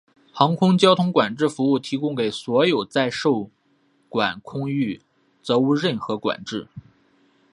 航空交通管制服务提供给所有在受管空域则无任何管制。